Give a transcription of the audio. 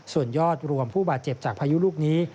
ส่วนยอดรวมผู้บาดเจ็บจากพายุลูกนี้